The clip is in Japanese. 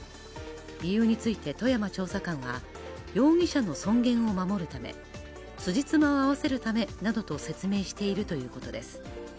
理由について戸山調査官は容疑者の尊厳を守るため、つじつまを合わせるためなどと説明しているということです。